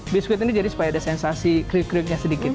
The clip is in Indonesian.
biskuit ini jadi supaya ada sensasi krik kriknya sedikit